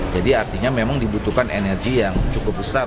jadi artinya memang dibutuhkan energi yang cukup besar